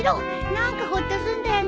何かホッとするんだよね。